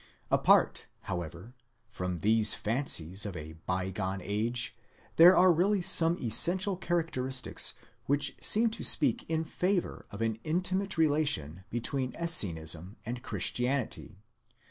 Apart, however, from these fancies of a bygone age, there are really some essential characteristics which seem to speak in favour of an intimate relation between Essenism and Christianity.